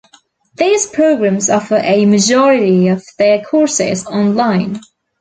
These programs offer a majority of their courses online.